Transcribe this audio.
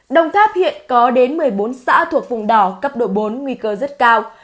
đồng tháp hiện có đến một mươi bốn xã thuộc vùng đỏ cấp độ bốn nguy cơ rất cao